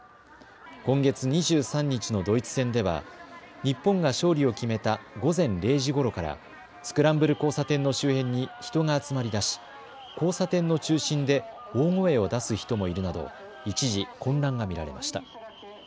今月２３日のドイツ戦では日本が勝利を決めた午前０時ごろからスクランブル交差点の周辺に人が集まりだし交差点の中心で大声を出す人もいるなど一時混乱が見られました。